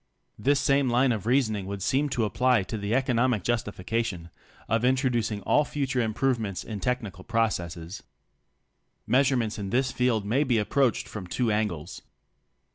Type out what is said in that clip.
This same line of reason ing would seem to apply to the economic justification of introducing all future improvements in technical processes. Measurements in this field may be approached from two angles.